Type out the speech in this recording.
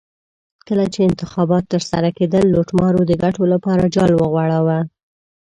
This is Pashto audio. کله چې انتخابات ترسره کېدل لوټمارو د ګټو لپاره جال وغوړاوه.